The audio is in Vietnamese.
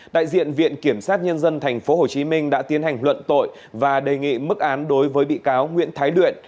dân thành phố hồ chí minh đã tiến hành luận tội và đề nghị mức án đối với bị cáo nguyễn thái luyện